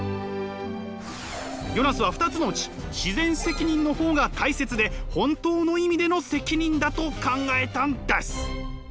ヨナスは２つのうち自然責任の方が大切で本当の意味での責任だと考えたんです。